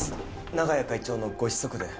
長屋会長のご子息で。